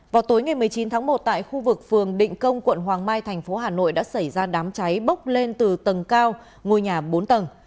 vào tối ngày một mươi chín tháng một tại khu vực phường định công quận hoàng mai thành phố hà nội đã xảy ra đám cháy bốc lên từ tầng cao ngôi nhà bốn tầng